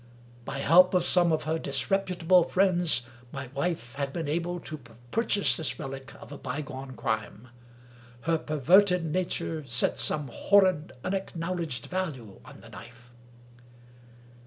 By help of some of her disreputable friends, my wife had been able to pur chase this relic of a bygone crime. Her perverted nature set some horrid unacknowledged value on the knife.